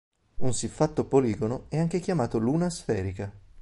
Un siffatto poligono è anche chiamato luna sferica.